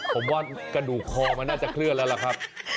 ผมว่ากระดูกคอมันน่าจะเคลื่อนแล้วล่ะครับ